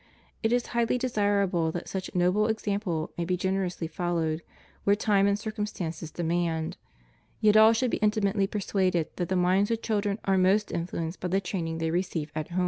It is highly desirable that such noble example may be generously followed, where time and circumstances demand; yet all should be intimately persuaded that the minds of children are most influenced by the training they receive at home.